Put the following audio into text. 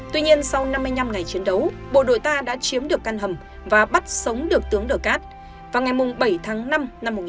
tuy nhiên sau năm mươi năm ngày chiến đấu bộ đội ta đã chiếm được căn hầm và bắt sống được tướng đờ cát vào ngày bảy tháng năm năm một nghìn chín trăm bảy mươi năm